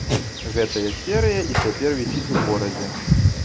Гэтая серыя і цяпер вісіць у горадзе.